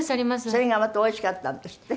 それがまたおいしかったんですって？